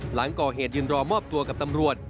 หลังก่อเหตุยืนรอมอบตัวกับตำรวจ